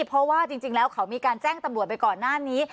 เพราะว่าจริงแล้วเขามีการแจ้งตำรวจไปก่อนหน้านี้